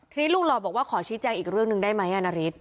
ทีนี้ลุงหล่อบอกว่าขอชี้แจงอีกเรื่องหนึ่งได้ไหมนาริส